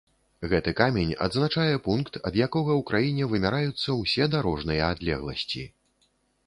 Гэты камень адзначае пункт, ад якога ў краіне вымяраюцца ўсе дарожныя адлегласці.